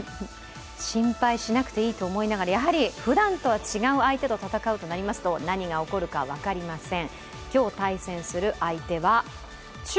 心配しなくていいと思いながら、やはりふだんとは違う相手と戦うとなりますと何が起こるか分かりません。